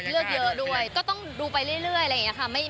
เลือกเยอะด้วยก็ต้องดูไปเรื่อยอะไรอย่างนี้ค่ะ